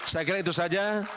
saya kira itu saja